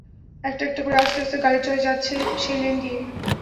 একটা একটা করে আস্তে আস্তে গাড়ি চলে যাচ্ছে সেই লেন দিয়ে।